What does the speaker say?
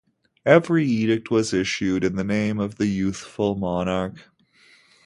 Every edict was issued in the name of the youthful monarch.